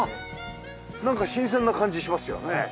なんか新鮮な感じしますよね。